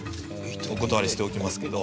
お断りしておきますけど。